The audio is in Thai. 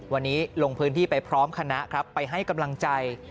วันนี้ลงพื้นที่ไปพร้อมคณะครับไปให้กำลังใจ